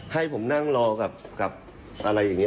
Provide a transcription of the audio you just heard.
ให้ผมนั่งรอกับอะไรอย่างนี้